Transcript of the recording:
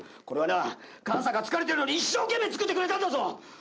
これはな母さんが疲れてるのに一生懸命作ってくれたんだぞ。